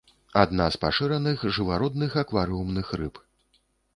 Адна з пашыраных жывародных акварыумных рыб.